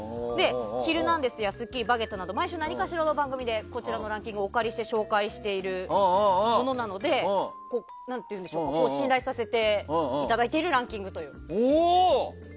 「ヒルナンデス！」や「スッキリ」「バゲット」など毎回、何かしらの番組でこちらのランキングを借りて紹介しているものなので信頼させていただいているランキングと。